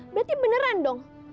berarti beneran dong